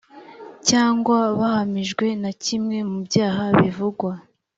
cyangwa bahamijwe na kimwe mu byaha bivugwa